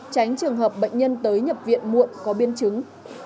tránh trường hợp bệnh nhân tới nhập viện muộn có biến chứng